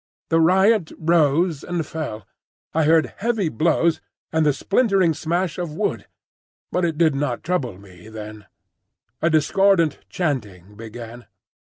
The riot rose and fell; I heard heavy blows and the splintering smash of wood, but it did not trouble me then. A discordant chanting began.